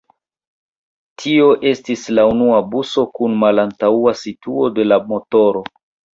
Tio estis la unua buso kun malantaŭa situo de la motoro.